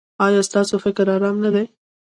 ایا ستاسو فکر ارام نه دی؟